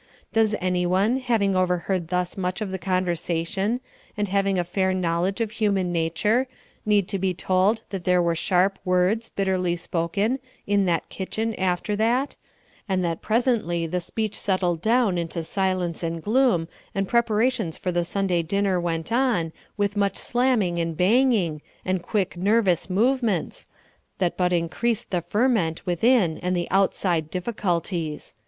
Does anyone, having overheard thus much of the conversation, and having a fair knowledge of human nature, need to be told that there were sharp words, bitterly spoken, in that kitchen after that, and that presently the speech settled down into silence and gloom, and preparations for the Sunday dinner went on, with much slamming and banging, and quick nervous movements, that but increased the ferment within and the outside difficulties.